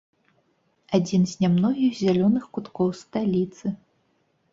Адзін з нямногіх зялёных куткоў сталіцы.